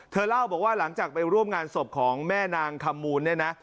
เล่าบอกว่าหลังจากไปร่วมงานศพของแม่นางคำมูลเนี่ยนะ